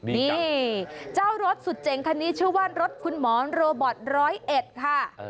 นี่เจ้ารถสุดเจ๋งคันนี้ชื่อว่ารถคุณหมอนโรบอต๑๐๑ค่ะ